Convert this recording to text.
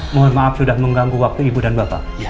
mohon maaf sudah mengganggu waktu ibu dan bapak